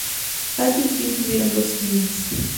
Patty y Jimmy tuvieron dos niños.